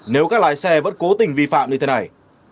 nếu các lái xe vẫn cố tình vi phạm như thế này